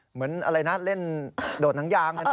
เหมือนอะไรนะเล่นโดดหนังยางเลยนะ